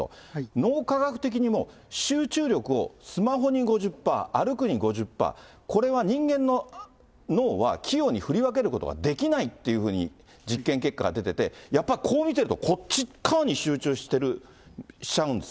脳科学的にも、集中力をスマホに５０％、歩くに５０％、これは人間の脳は器用に振り分けることができないというふうに実験結果が出てて、やっぱこう見てると、そうですね。